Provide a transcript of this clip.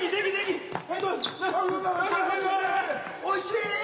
おいしい！